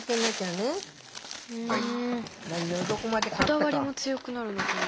こだわりも強くなるのかな。